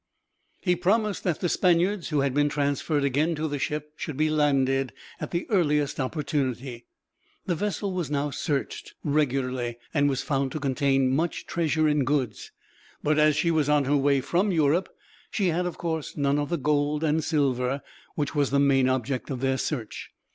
He promised that the Spaniards who had been transferred again to the ship should be landed, at the earliest opportunity. The vessel was now searched, regularly, and was found to contain much treasure in goods; but as she was on her way from Europe, she had, of course, none of the gold and silver which was the main object of their search.